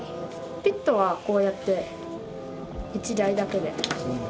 ピットはこうやって１台だけで入れるんで。